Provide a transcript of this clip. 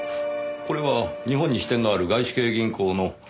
これは日本に支店のある外資系銀行の。